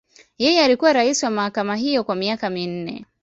Yeye alikuwa rais wa mahakama hiyo kwa miaka minne.